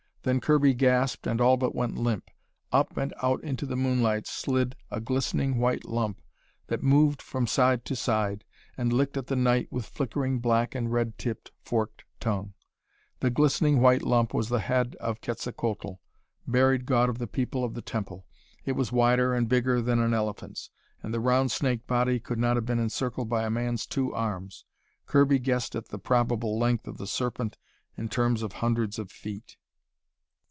Then Kirby gasped and all but went limp. Up and out into the moonlight slid a glistening white lump that moved from side to side and licked at the night with flickering black and red tipped forked tongue. The glistening white lump was the head of Quetzalcoatl, buried God of the People of the Temple. It was wider and bigger than an elephant's, and the round snake body could not have been encircled by a man's two arms. Kirby guessed at the probable length of the Serpent in terms of hundreds of feet.